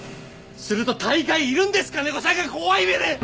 すると大概いるんです金子さんが怖い目で！